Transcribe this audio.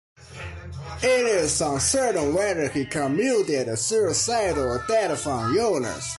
It is uncertain whether he committed suicide or died from illness.